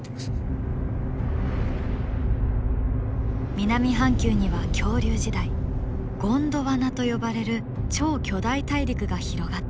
南半球には恐竜時代ゴンドワナと呼ばれる超巨大大陸が広がっていた。